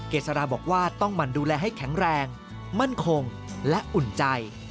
เกษราบอกว่าต้องหมั่นดูแลให้แข็งแรงมั่นคงและอุ่นใจ